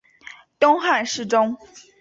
东汉侍中。